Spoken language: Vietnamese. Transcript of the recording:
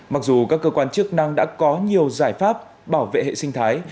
mặc dù các cơ quan chức năng đã có nhiều giải pháp bảo vệ hệ sinh thái